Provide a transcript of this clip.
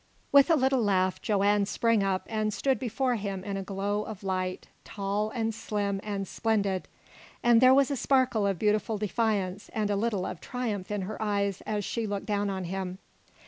With a little laugh, Joanne sprang up and stood before him in a glow of light, tall, and slim, and splendid, and there was a sparkle of beautiful defiance and a little of triumph in her eyes as she looked down on him.